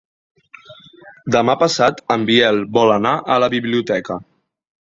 Demà passat en Biel vol anar a la biblioteca.